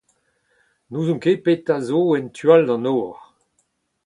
N’ouzon ket petra zo en tu all d’an nor.